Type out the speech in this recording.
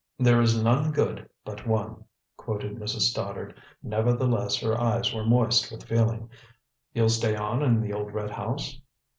"There is none good but One," quoted Mrs. Stoddard; nevertheless her eyes were moist with feeling. "You'll stay on in the old red house?"